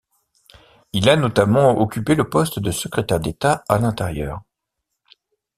Il a notamment occupé le poste de secrétaire d'État à l'Intérieur.